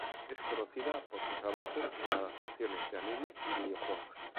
Es conocida por su trabajo en las adaptaciones de anime y videojuegos.